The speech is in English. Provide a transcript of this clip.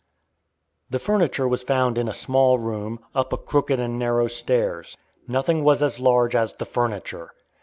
The furniture was found in a small room, up a crooked and narrow stairs. Nothing was as large as the furniture.